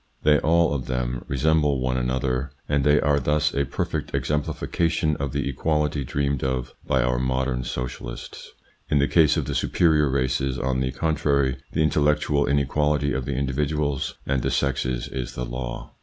They all of them resemble one another, and they are thus a perfect ex emplification of the equality dreamed of by our modern socialists. In the case of the superior races, on the contrary, the intellectual inequality of the individuals and the sexes is the law.